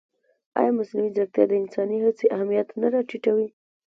ایا مصنوعي ځیرکتیا د انساني هڅې اهمیت نه راټیټوي؟